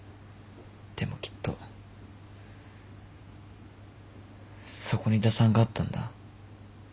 でもきっとそこに打算があったんだ。